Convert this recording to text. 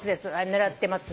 狙ってますね。